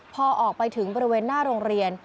พอออกไปถึงบริเวณหน้าโรงเรียน